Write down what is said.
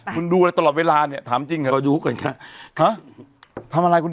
คุณดูอะไรตลอดเวลาเนี่ยถามจริงหรือถามจริง